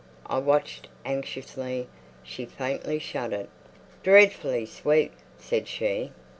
I watched anxiously; she faintly shuddered. "Dreadfully sweet!" said she.